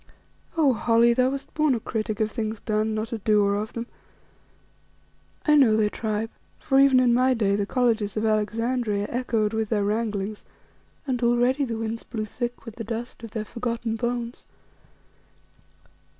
Oh, Holly! thou wast born a critic of things done, not a doer of them. I know thy tribe for even in my day the colleges of Alexandria echoed with their wranglings and already the winds blew thick with the dust of their forgotten bones.